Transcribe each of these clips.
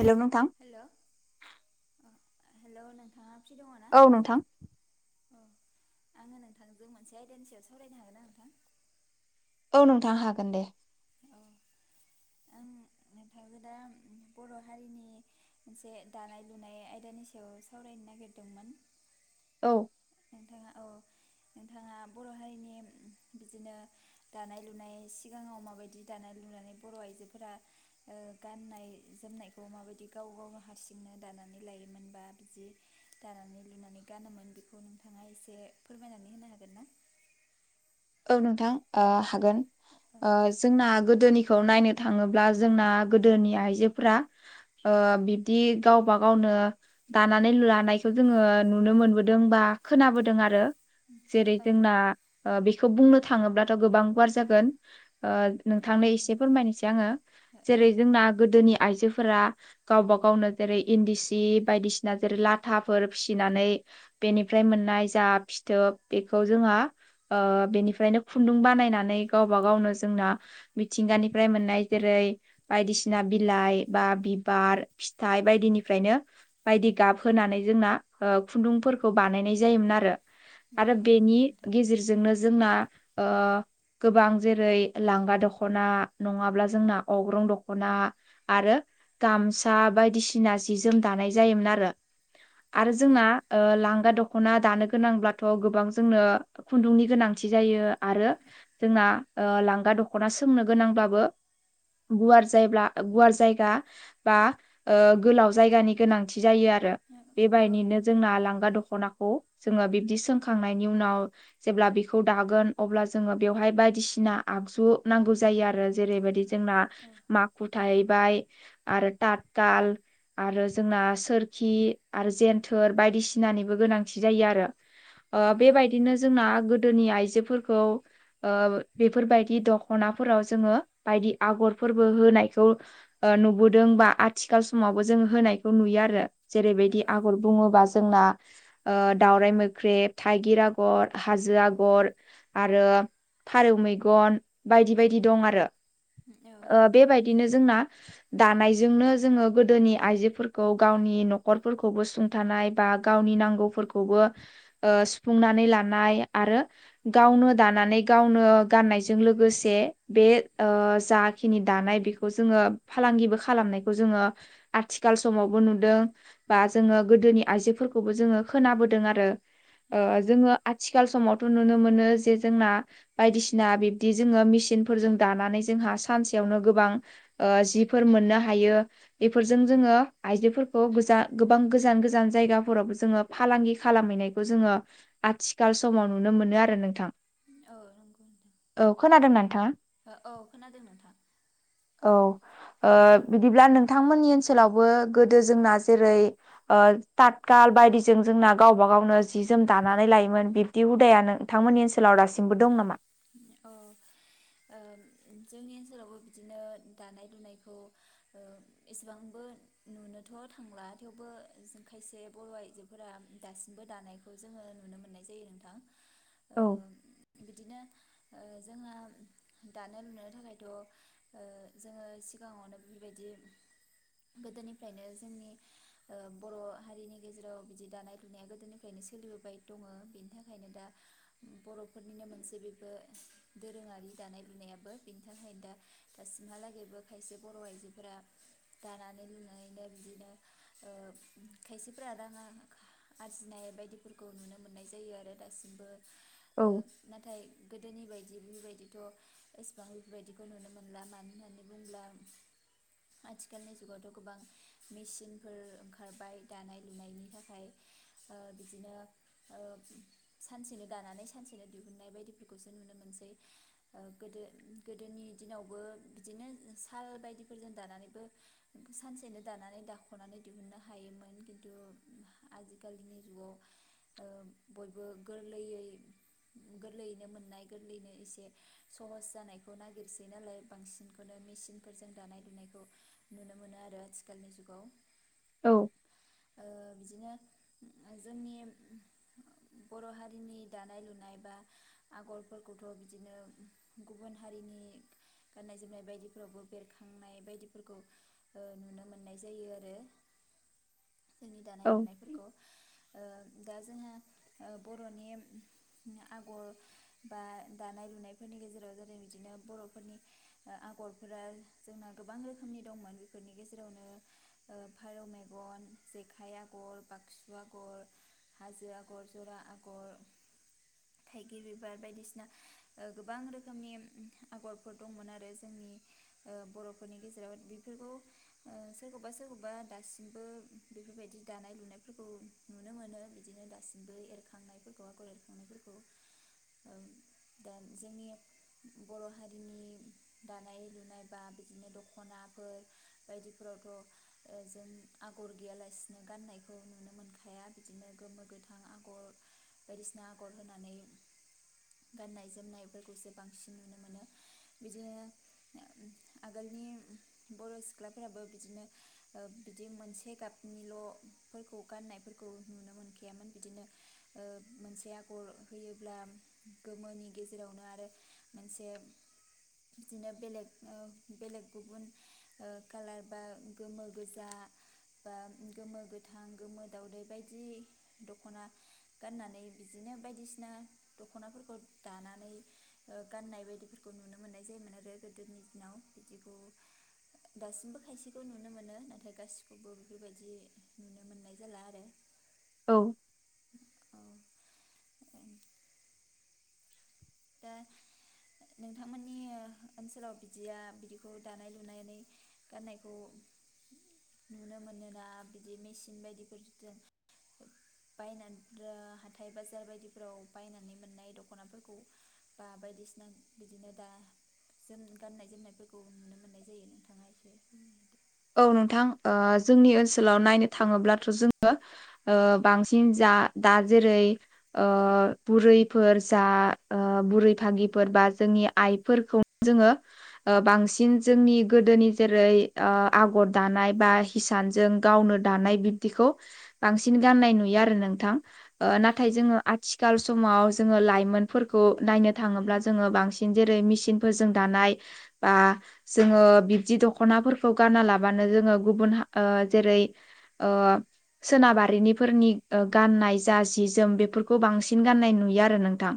हेल' नोंथां। हेल' ओ हेल' नोंथाङा फ्रि दङ ना? औ नोंथां औ आंङो नोंथांजों मोनसे आइदानि सायाव सावरायनो हागोन ना नोंथां? औ नोंथां हागोन दे। औ आं नोंथांजों दा बर' हारिनि मोनसे दानाय लुनाय आयदानि सायाव सावरायनो नागिरदोंमोन। औ। नोंथाङा औ नोंथाङा बर' हारिनि बिदिनो दानाय लुनाय सिगाङाव माबायदि दानाय लुनानै बर' आइजोफोरा ओ गाननाय जोमनायखौ माबायदि गाव गावनो हारसिंनो दानानै लायो मोन बा बिदि दानानै लुनानै गानोमोन बेखौ नोंथाङा एसे फोरमायनानै होनो हागोन ना? औ नोंथां ओ हागोन। औ ओ जोंना गोदोनिखौ नायनो थाङोब्ला जोंना गोदोनि आइजोफोरा। ओ बिब्दि गावबा गावनो दानानै लानायखौ जोंङो नुनो मोनबोदों बा खोनाबोदों आरो। जेरै जोंना ओ बेखौ बुंनो थाङोब्लाथ' गोबां गुवार जागोन। ओ नोंथांनो नंगौ एसे नोंथां फोरमायनोसै आंङो औ जेरै जोंना गोदोनि आइजोफोरा गावबा गावनो जेरै इन्दि सि बायदिसिना जेरै लाथाफोर फिसिनानै बेनिफ्राय मोननाय जा फिथोब बेखौ जोंहा ओ बेनिफ्रायनो खुन्दुं बानायनानै गावबा गावनो जोंना मिथिंगानिफ्राय मोननाय जेरै बायदिसिना बिलाइ बा बिबार फिथाइ बायदिनिफ्रायनो। बायदि गाबहानै जोंना ओ खुन्दुंफोरखौ बानायनाय जायोमोन आरो। आरो बेनि नंगौ नोंथां गेजेरजोंनो जोंना ओ गोबां जेरै, लांगा दख'ना, नङाब्ला जोंना अग्रं दख'ना। आरो गामसा बायदिसिना जि जोम दानाय जायोमोन आरो। आरो जोंना लांगा दख'ना दानो गोनांब्लाथ' गोबां जोंनो खुन्दुंनि गोनां [unintelligible] जायो आरो जोंना लांगा दख'ना सोमनो गोनांब्लाबो गुवार जायगा बा गोलाव जायगानि गोनांथि जायो आरो औ बेबायदिनो नंगौ जोंना नोंथां लांगा दख'ना जोङो बिबदि सोंखांनायनि उनाव जेब्ला बे बेखौ दागोन अब्ला जोङो बेवहाय बायदिसिना आगजु नांगौ जायो आरो जेरैबायदि जोंना औ माखु थाहैबाय आरो ताथखाल आरो जोंना सोरखि आरो जेनथोर बायदिसिनानिबो गोनांथि जायो आरो। [inaudible] ओ बेबायदिनो नंगौ जोंना नोंथां गोदोनि आइजोफोरखौ। बेफोरबायदि दखनाफोराव जोङो बायदि आगरफोरबो होनायखौ। ओ नुबोदों बा आथिखाल समावबो जोंङो होनायखौ नुयो आरो। औ जेरैबायदि आगर बुङोबा जोंना। ओ दाावरराय मोख्रेब, थाइगिर आगर, हाजो आगर, आगर आरो फारौ मैगन बायदि बायदि दं आरो। औ ओ नंगौ नोंथां बेबायदिनो जोंना। दानायजोंनो जोङो गोदोनि आइजोफोरखौ गावनि न'खरफोरखौबो सुं थानाय बा गावनि नांगौफोरखौबो सुफुंनानै लानाय आरो। गावनो दानानै गावनो गाननायजों लोगोसे। बे ओ जाखिनि दानाय बेखौ जोङो फालांगिबो खालामनायखौ जोङो आथिखाल समावबो नुदों। बा जोङो गोदोनि आइजोफोरखौबो जोङो खोनाबोदों आरो। औ ओ जोङो आथिखाल समावथ' नुनो मोनो जे जोंना। बायदिसिना बिब्दि जोङो मेचिनफोरजों दानानै जोंहा सानसेयावनो गोबां। ओ जिफोर मोननो हायो। बेफोरजों जोङो आइजोफोरखौ गोजा गोबां गोजान गोजान जायगाफोरावबो जोङो। फालांगि खालामहैनायखौ जोङो आथिखाल समाव नुनो मोनो आरो नोंथां। औ नंगौ औ खोनादोंना नोंथाङा नथां। औ खोनादों नोंथां। औ ओ बिदिब्ला नोंथांमोननि ओनसोलावबो गोदो जोंना जेरै, ओ ततखाल बायदिजों जोंना गावबा गावनो जि जोम दानानै लायोमोन। बिदि हुदाया नोंथांमोननि ओनसोलाव दासिमबो दं नामा? औ। जोंनि ओनसोलावबो बिदिनो दानाय लुनायखौ। एसेबांबो नुनोथ' थांला थेवबो खायसे बर' आइजोफोरा दासिमबो दानायखौ खौ जोङो नुनो मोननाय जायो नोंथां। ओ औ बिदिनो जोंहा दानो लुनायनि थाखायथ' ओ जोङो सिगाङावनो बेबायदि गोदोनिफ्रायनो जोंनि ओ बर' हारिनि गेजेराव बिदि दानाय लुनाया गोदोनिफ्रायनो सोलिबोबाय दङ बिनि थाखायनो दा बर'फोरनिनो मोनसे बे दोरोङारि दानाय लुनायाबो बेनि थाखायनो दा दासिमहालागैबो खायसे बर' आइजोफोरा। दानानै लुननैनो बिदिनो खायसेफोरा रां आरजिनाय बायदिफोरखौ नुनो मोननाय जायो आरो दासिमबो औ नाथाय गोदोनि बायदि बेफोरबायदिथ' एसेबां बेफोरबायदिखौ नुनो मोनला मानो होननानै बुंङोब्ला आथिखालनि जुगावथ' गोबां मेचिनफोर ओंखारबाय दानाय लुनायनि थाखाय ओ बिदिनो ओ सानसेनो दानानै सानसेनो दिहुननाय बायदिफोरखौ खौसो नुनो मोनसै। ओ गोदो गोदोनि दिनावबो बिदिनो साल बायदिफोरजों दानानैबो सानसेनो दानानै दाख'नानै दिहुननो हायोमोन खिन्थु आजिखालिनि जुगाव ओ बयबो गोरलैयै गोरलैयैनो मोननाय गोरलैयैनो एसे सहस जानायखौ नागिरसै नालाय बांसिनखौनो मेसिनफोरजों दानाय लुनायखौ नुनो मोनो आरो आथिखालनि जुगाव औ बिदिनो जोंनि बर' हारिनि दानाय लुनाय बा आगरफोरखौथ' बिदिनो गुबुन हारिनि गाननाय जोमनाय बायदिफोरावबो बेरखांनाय बायदिफोरखौ ओ नुनो मोननाय जायो आरो जोंनि दानाय औ लुनायफोरखौ। ओदा जोंहा ओ बर'नि आगर बा दानाय लुनायफोरनि गेजेराव जेरै बिदिनो बर'फोरनि आगरफोरा जोंना गोबां रोखोमनि दंमोन बेफोरनि गेजेरावनो फारौ मेगन, जेखाइ आगर, बाक्सु आगर हाजो आखर, जरा आखर थाइगिरबिबार बायदिसिना गोबां रोखोमनि आगरफोर दंमोन आरो। जोंनि- ओ बर'फोरनि गेजेराव बेफोरखौ ओ सोरखौबा -सोरखौबा दासिमबो बेफोरबायदि दानाय लुनायफोरखौ नुनो मोनो बिदिनो दासिमबो एरखांनायफोरखौ आगर एरखांनायफोरखौ। दा जोंनि बर' हारिनि दानाय लुनाय बा बिदिनो दख'नाफोर बायदिफोरावथ' ओ जों आगर गैयालासिनो गाननायखौ नुनो मोनखाया बिदिनो गोमो -गोथां आगर बायदिसिना आगर होनानै गाननाय जोमनायफोरखौसो बांसिन नुनो मोनो। बिदिनो आगोलनि बर' सिख्लाफोराबो बिदिनो ओ बिदि मोनसे गाबनिल' फोरखौ गाननायफोरखौ नुनो मोनखायामोन बिदिनो ओ मोनसे आगर होयोब्ला गोमोनि गेजेरावनो आरो मोनसे बिदिनो बेलेग -बेलेग गुबुन कालार बा गोमो, गोजा बा गोमो गोथां, गोमो दावउदै बायदि दख'ना गाननानै बिदिनो बायदिसिना दख'नाफोरखौ दानानै ओ गाननाय बायदिफोरखौ नुनो मोननाय जायोमोन आरो गोदोनि दिनाव। बिदिखौ दासिमबो खायसेखौ नुनो मोनो नाथाय गासिखौबो बेफोरबायदि नुनो मोननाय जाला आरो। औ औ [unintelligible] दा नोंथांमोननि ओ ओनसोलाव बिदिया बिदिखौ दानाय लुनानै गाननायखौ नुनो मोनोना बिदि मेसिन बायदि बायदिफोरजों बायनानै हाथाय बाजार बायदिफोराव बायनानै मोननाय दख'नाफोरखौ बा बायदिसिना बिदिनो दा जोम गाननाय जोमनायफोरखौ नुनो मोननाय जायो नोंथांङा एसे औ नोंथां ओ जोंनि ओनसोलाव नायनो थांङोब्लाथ' जोंङो बांसिन जा दा जेरै- ओ बुरैफोर जा ओ बुरै भागिफोर बा जोंनि आइफोरखौ जोङो बांसिन जोंनि गोदोनि जेरै ओ आगर दानाय बा हिसानजों गावनो दानाय बिब्दिखौ बांसिन गाननाय नुयो आरो नोंथां। नाथाय जोङो आथिख ल समाव जोङो लाइमोनफोरखौ नायनो थाङोब्ला जोङो बांसिन जेरै -मेचिनफोरजों दानाय बा जोङो बिब्दि दख'नाफोरखौ गाना लाबानो जोङो गुबुन जेरै ओ सोनाबारिनिफोरनि गाननाय जा जि जोम बेफोरखौ बांसिन गाननाय नुयो आरो नोंथां।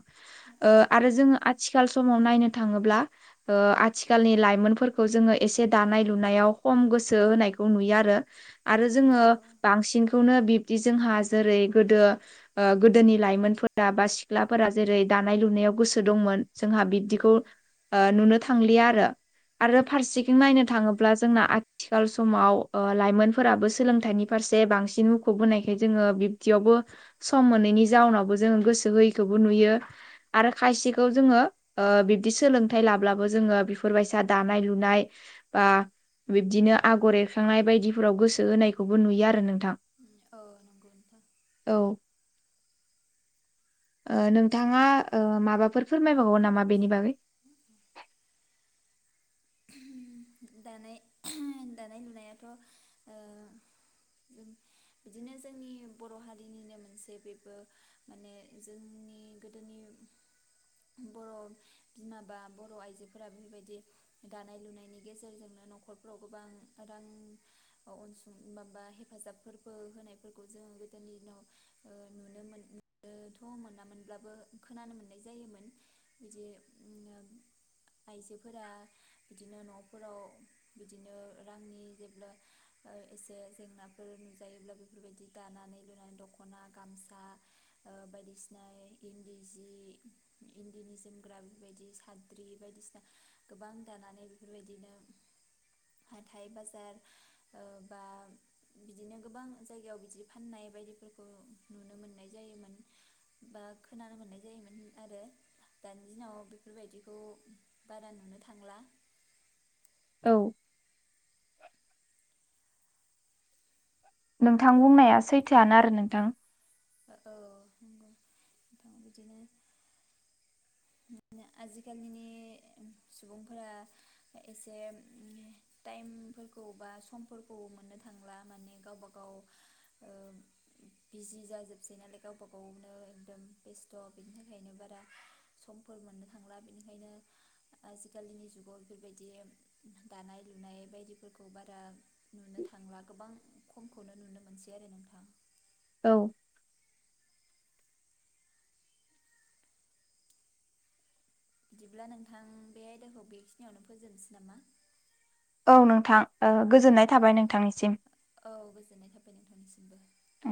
ओ औ आरो नंगौ जोंङो आथिखाल नोंथां आथिखाल समाव नायनो थांङोब्ला ओ आथिखालनि लाइमोनफोरखौ जोंङो एसे दानाय लुनायाव खम गोसो होनायखौ नुयो आरो आरो जोंङो औ बांसिन खौनो बिब्दि जोंहा जेरै गोदो ओ गोदोनि लाइमोनफोरा बा सिख्लाफोरा जेरै दानाय लुनायाव गोसो दंमोन। जोंहा बिबदिखौ नंगौ ओ नुनो थांलिया आरो। आरो फारसेथिं नायनो नोंथां थाङोब्ला जोंना आथिखाल समाव ओ लाइमोनफोराबो सोलोंथाइनि फारसे बांसिन मुखुब होनोनायखाय जोंङो बि बदियावबो सम मोनैनि जाउनावबो जोंङो गोसो होयैखौबो नुयो। आरो खायसेखौ जोंङो ओ बिब्दि सोलोंथाइ लाब्लाबो जोंङो बेफोरबायसा दानाय लुनाय बा बिब्दिनो आगर एरखांनाय बायदिफोराव गोसो होनायखौबो नुयो आरो नोंथां। औ नंगौ नोंथां। औ ओ नोंथांङा ओ माबाफोर फोरमायबावो नामा बेनि बागै दानाय उमह दानाय लुनायाथ'ओ बिदिनो जोंनि बर' हारिनिनो मोनसे बेबो माने जोंनि गोदोनि बर' बिमा बा बर' आइजोफोरा बेफोरबायदि दानाय लुनायनि गेजेरजोंनो न'खरफ्राव गोबां रां अ-अनसुं माबा हेफाजाबफोरबो होनायफोरखौ जोंङ गोदोनि दिनाव ओ नुनो मोननोथ' मोनामोनब्लाबो खोनानो मोननाय जायोमोन। बिदि उम ओ आइजोफोरा बिदिनो न' फोराव बिदिनो रांनि जेब्ला ओ एसे जेंनाफोर नुजायोब्ला बेफोरबायदि दानानै लुनानै दख'ना गामसा ओ बायदिसिना इन्दि जि इन्दिनि जोमग्रा बेफोरबायदि साद्रि बायदिसिना गोबां दानानै बेफोरबायदिनो नो हाथाइ बाजार ओ बा बिदिनो गोबां जायगायाव बिदि फाननाय बायदिफोरखौ नुनो मोननाय जायोमोन। बा खोनानो मोननाय जायोमोन आरो। दानि दिनाव बेफोरबायदिखौ बारा नुनो थांला औ नोंथां बुंनाया सैथोआनो आरो नोंथां। ओ औ नंगौ बिदिनो आजिखालिनि सुबुंफोरा एसे उम टाइमफोरखौ बा समफोरखौ मोननो थांला माने गावबा गाव, बिजि जाजोबसै नालाय गावबा गावनो एकदम बेस्थ' बिनि थाखायनो बारा, समफोर मोननो थांला बिनिखायनो, आजिखालिनि जुगाव बेफोरबायदि दानाय लुनाय बायदिफोरखौ बारा, नुनो थांला गोबां खमखौनो नुनो मोनसै आरो नोंथां, औ बिदिब्ला नोंथां बे आयदाखौ बेखिनियावनो फोजोबनोसै नामा? औ नोंथां ओ गोजोननाय औ थाबाय नोंथांनिसिम औ गोजोननाय थाबाय नोंथांनिसिमबो। उम